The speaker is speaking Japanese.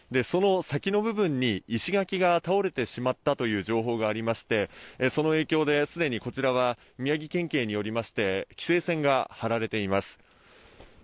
その先の部分に石垣が倒れてしまったという情報がありましてその影響ですでにこちらは、宮城県警により規制線が張られています。